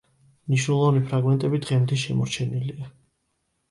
მნიშვნელოვანი ფრაგმენტები დღემდე შემორჩენილია.